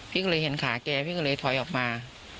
พี่ก็เลยเห็นขาแกพี่ก็เลยถอยออกมา